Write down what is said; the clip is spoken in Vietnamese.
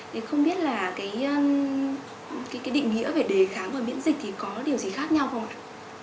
thì không biết là cái định nghĩa về đề kháng và miễn dịch thì có điều gì khác nhau không ạ